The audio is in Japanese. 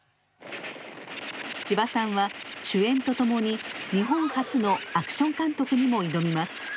千葉さんは主演とともに日本初のアクション監督にも挑みます。